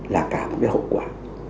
là cảm về hậu quả